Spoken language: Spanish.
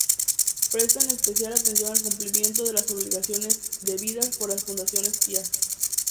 Prestan especial atención al cumplimiento de las obligaciones debidas por las fundaciones pías.